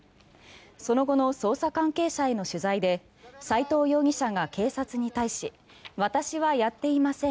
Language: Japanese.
その後の捜査関係者への取材で斎藤容疑者が警察に対し私はやっていません